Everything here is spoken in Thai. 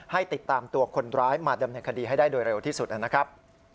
ให้ติดตามตัวคนร้ายมาดำเนินคดีให้ได้โดยเร็วที่สุดนะครับ